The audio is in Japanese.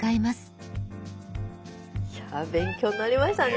いや勉強になりましたね